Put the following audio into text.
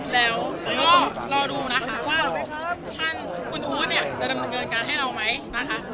แล้วก็รอดูนะคะว่าทางคุณอู๊ดเนี่ยจะดำเนินการให้เราไหมนะคะ